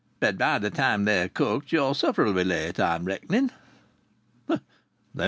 "But by th' time they're cooked your supper'll be late, I'm reckoning."